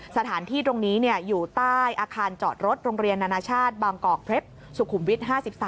สถานที่ตรงนี้อยู่ใต้อาคารจอดรถโรงเรียนนานาชาติบางกอกเพชรสุขุมวิท๕๓